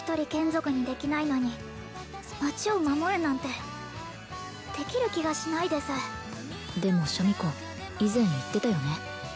眷属にできないのに町を守るなんてできる気がしないですでもシャミ子以前言ってたよね